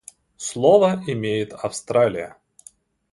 Слово имеет Австралия.